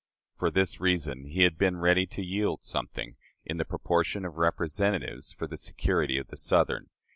For this reason he had been ready to yield something, in the proportion of representatives, for the security of the Southern....